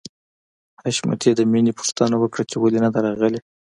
حشمتي د مینې پوښتنه وکړه چې ولې نده راغلې